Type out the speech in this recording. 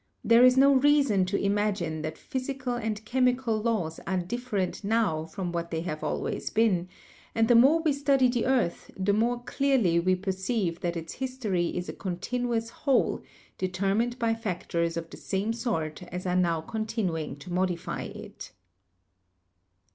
There is no reason to imagine that physical and chemical laws are dif ferent now from what they have always been, and the more we study the earth, the more clearly we perceive that its history is a continuous whole, determined by factors of the same sort as are now continuing to modify it.'